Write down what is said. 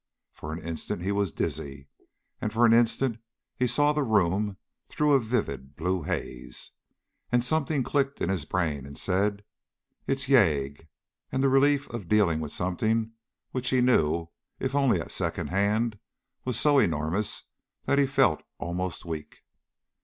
For an instant he was dizzy, and for an instant he saw the room through a vivid blue haze. And something clicked in his brain and said "It's yagué." And the relief of dealing with something which he knew if only at second hand was so enormous that he felt almost weak.